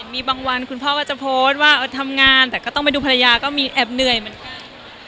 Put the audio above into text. มีบางวันคุณพ่อก็จะโพสต์ว่าทำงานแต่ก็ต้องไปดูภรรยาก็มีแอบเหนื่อยเหมือนกัน